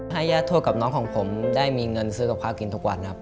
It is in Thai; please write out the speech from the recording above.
ญาติทั่วกับน้องของผมได้มีเงินซื้อกับข้าวกินทุกวันครับ